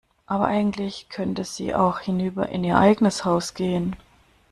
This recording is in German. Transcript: Aber eigentlich könnte sie auch hinüber in ihr eigenes Haus gehen.